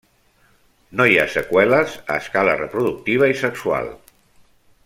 No hi ha seqüeles a escala reproductiva i sexual.